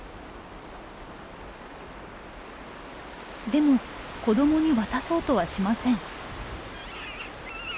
でも子どもに渡そうとはしません。